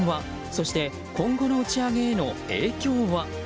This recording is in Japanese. そして今後の打ち上げへの影響は？